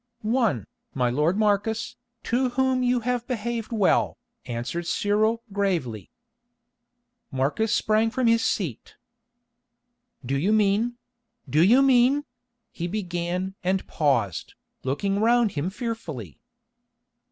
"One, my lord Marcus, to whom you have behaved well," answered Cyril gravely. Marcus sprang from his seat. "Do you mean—do you mean—?" he began and paused, looking round him fearfully.